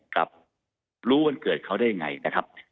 กับรู้วันเกิดเขาได้ยังไงนะครับ